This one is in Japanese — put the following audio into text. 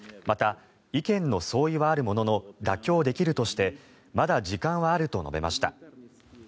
また意見の相違はあるものの妥協できるとしてまだ時間はあると述べました。